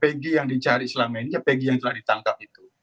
pg yang dicari selama ini pg yang telah ditangkap itu